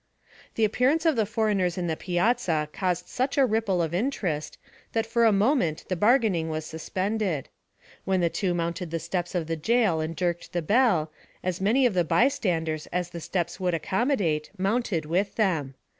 The appearance of the foreigners in the piazza caused such a ripple of interest, that for a moment the bargaining was suspended. When the two mounted the steps of the jail and jerked the bell, as many of the bystanders as the steps would accommodate mounted with them.